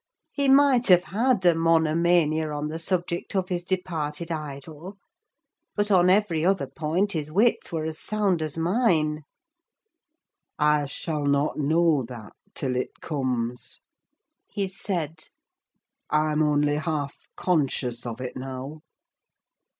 He might have had a monomania on the subject of his departed idol; but on every other point his wits were as sound as mine. "I shall not know that till it comes," he said; "I'm only half conscious of it now."